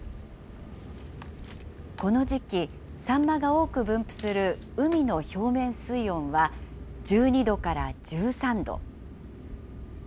この時期、サンマが多く分布する海の表面水温は、１２度から１３度。